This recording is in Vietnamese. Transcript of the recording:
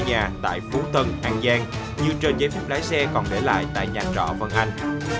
nghi phạm trở về quê nhà tại phú tân an giang như trên giấy phép lái xe còn để lại tại nhà trọ vân anh